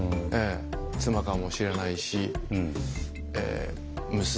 妻かもしれないし娘孫。